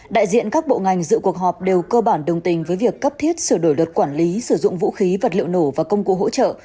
đại diện các bộ ngành dự cuộc họp đều cơ bản đồng tình với việc cấp thiết sửa đổi luật quản lý sử dụng vũ khí vật liệu nổ và công cụ hỗ trợ